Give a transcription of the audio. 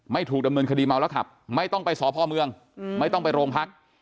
ไม่ถูกดำเนินคดีเมาแล้วขับไม่ต้องไปสพเมืองไม่ต้องไปโรงพัก